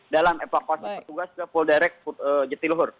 dalam evakuasi petugas ke full direct jatiluhur